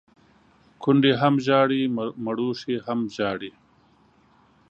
کونډي هم ژاړي ، مړوښې هم ژاړي.